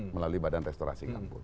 melalui badan restorasi gambut